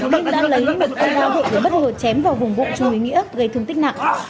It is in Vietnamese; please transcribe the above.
nhưng đã lấy một cơ lo hội để bất hợp chém vào vùng bụng chương quý nghĩa gây thương tích nặng